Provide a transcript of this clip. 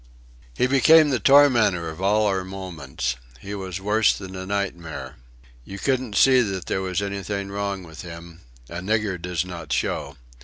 He became the tormentor of all our moments; he was worse than a nightmare. You couldn't see that there was anything wrong with him: a nigger does not show.